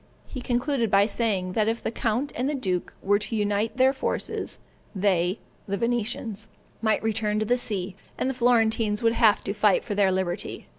He concluded by saying, that if the count and the duke were to unite their forces, they (the Venetians) might return to the sea, and the Florentines would have to fight for their liberty.